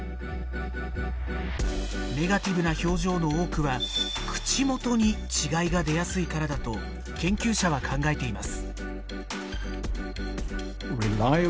ネガティブな表情の多くは口元に違いが出やすいからだと研究者は考えています。